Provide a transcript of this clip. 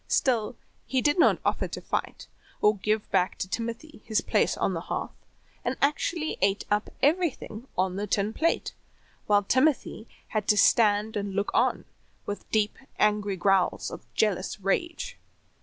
Still he did not offer to fight, or give back to Timothy his place on the hearth, and actually ate up everything upon the tin plate, while Timothy had to stand and look on, with deep, angry growls of jealous rage.